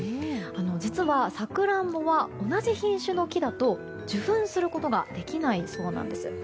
実は、サクランボは同じ品種の木だと受粉することができないそうなんです。